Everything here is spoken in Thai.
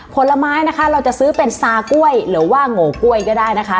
ผลไม้นะคะเราจะซื้อเป็นซากล้วยหรือว่าโง่กล้วยก็ได้นะคะ